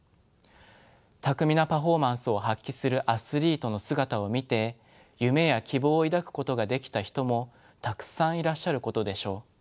巧みなパフォーマンスを発揮するアスリートの姿を見て夢や希望を抱くことができた人もたくさんいらっしゃることでしょう。